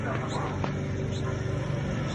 সেই রাতে আমি একগাদা ঘুমের ওষুধ খেলাম।